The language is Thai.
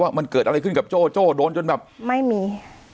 ว่ามันเกิดอะไรขึ้นกับโจ้โจ้โดนจนแบบไม่มี